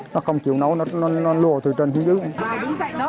nó không chịu nấu nó lùa từ trên xuống dưới